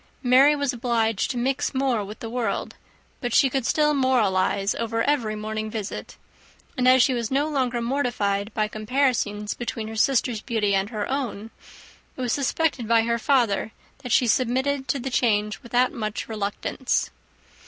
Mary was obliged to mix more with the world, but she could still moralize over every morning visit; and as she was no longer mortified by comparisons between her sisters' beauty and her own, it was suspected by her father that she submitted to the change without much reluctance.